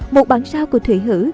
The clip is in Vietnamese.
một bản sao của thủy hữ